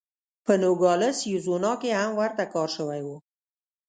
په نوګالس اریزونا کې هم ورته کار شوی و.